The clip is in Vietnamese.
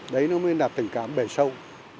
đấy mới là tình cảm bề sâu